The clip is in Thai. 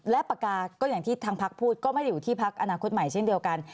และปากกาก็อย่างที่ทางพักพูดก็ไม่ได้อยู่ที่พักอนาคตใหม่เช่นเดียวกัน